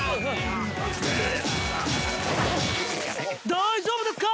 大丈夫ですか！？